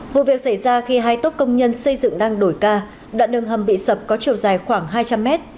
vụ việc xảy ra khi hai tốt công nhân xây dựng đang đổi ca đoạn đường hầm bị sập có chiều dài khoảng hai trăm linh mét